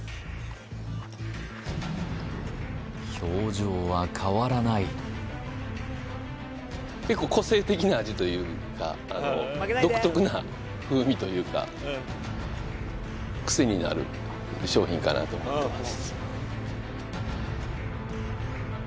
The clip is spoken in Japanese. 表情は変わらない結構個性的な味というか独特な風味というか癖になる商品かなと思ってます